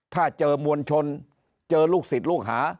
ถ้าเจอมวลชนเจอลูกศิษย์ลูกหา